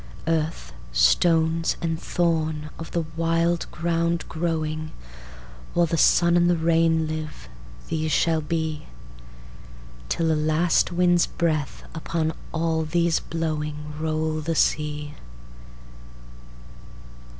Earth, stones, and thorns of the wild ground growing, While the sun and the rain live, these shall be; Till a last wind's breath upon all these blowingRoll the sea.